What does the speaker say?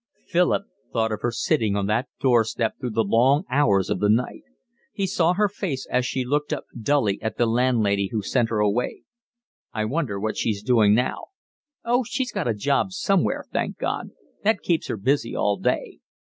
Philip thought of her sitting on that doorstep through the long hours of the night. He saw her face as she looked up dully at the landlady who sent her away. "I wonder what she's doing now." "Oh, she's got a job somewhere, thank God. That keeps her busy all day."